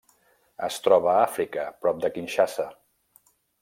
Es troba a Àfrica: prop de Kinshasa.